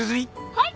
はい。